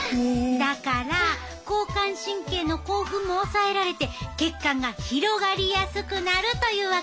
だから交感神経の興奮も抑えられて血管が広がりやすくなるというわけ。